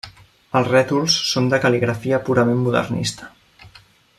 Els rètols són de cal·ligrafia purament modernista.